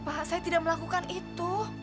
apakah saya tidak melakukan itu